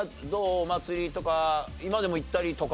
お祭りとか今でも行ったりとか。